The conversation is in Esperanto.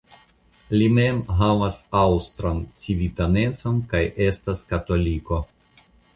Li mem havas aŭstran civitanecon kaj estas katoliko.